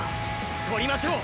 獲りましょう。